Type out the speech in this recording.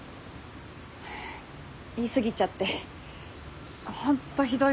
言い過ぎちゃって本当ひどいこと。